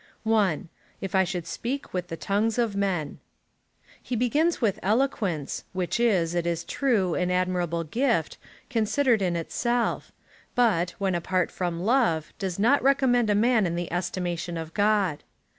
1. If I should speak with the tongues of men. He begins with eloquence, which is, it is true, an admirable gift, con sidered in itself, but, when apart from love, does not recom mend a man in the estimation of God.